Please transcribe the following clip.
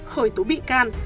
khởi tố bị can